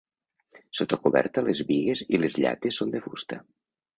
Sota coberta les bigues i les llates són de fusta.